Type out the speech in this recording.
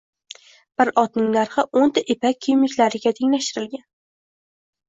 Bir otning narxi oʻnta ipak kiyimliklariga tenglashtirilgan.